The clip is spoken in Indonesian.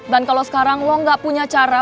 dan kalo sekarang lo gak punya cara